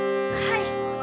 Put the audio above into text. はい。